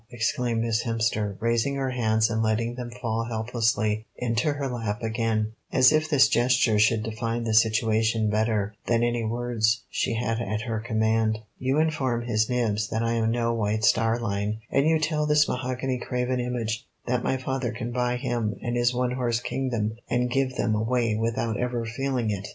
exclaimed Miss Hemster, raising her hands and letting them fall helplessly into her lap again, as if this gesture should define the situation better than any words she had at her command. "You inform His Nibs that I am no White Star Line, and you tell this mahogany graven image that my father can buy him and his one horse kingdom and give them away without ever feeling it.